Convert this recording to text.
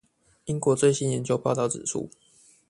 英國最新研究報導指出